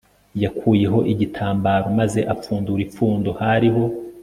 yakuyeho igitambaro maze apfundura ipfundo. hariho